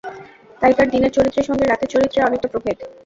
তাই তার দিনের চরিত্রের সঙ্গে রাতের চরিত্রের অনেকটা প্রভেদ।